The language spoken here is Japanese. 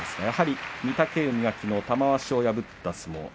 やはり御嶽海がきのう玉鷲を破った相撲。